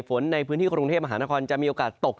ฝนในพื้นที่กรุงเทพมหานครจะมีโอกาสตก